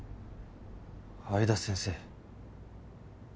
相田先生。